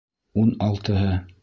Ун алтыһы.